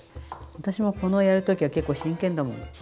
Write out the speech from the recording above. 私もこのやる時は結構真剣だもん。